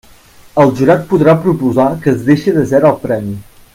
El jurat podrà proposar que es deixe desert el premi.